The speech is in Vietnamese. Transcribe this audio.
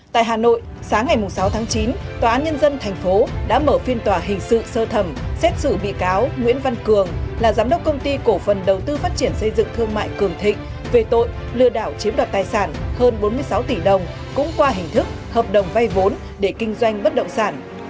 tại hà nội sáng ngày sáu tháng chín tòa án nhân dân thành phố đã mở phiên tòa hình sự sơ thẩm xét xử bị cáo nguyễn văn cường là giám đốc công ty cổ phần đầu tư phát triển xây dựng thương mại cường thịnh về tội lừa đảo chiếm đoạt tài sản hơn bốn mươi sáu tỷ đồng cũng qua hình thức hợp đồng vay vốn để kinh doanh bất động sản